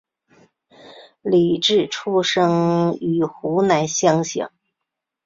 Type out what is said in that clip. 李普出生于湖南湘乡。